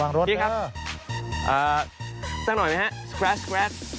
จ้างหน่อยมั้ยครับ